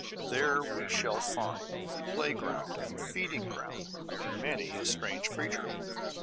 There we shall find the play ground and feeding ground of many a strange creature.